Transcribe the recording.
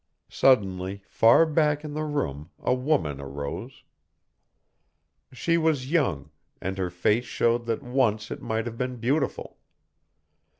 Suddenly far back in the room a woman arose. She was young, and her face showed that once it might have been beautiful.